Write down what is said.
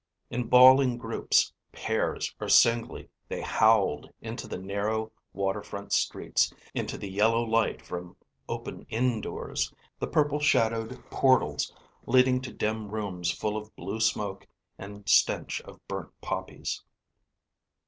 In bawling groups, pairs, or singly they howled into the narrow waterfront streets, into the yellow light from open inn doors, the purple shadowed portals leading to dim rooms full of blue smoke and stench of burnt poppies.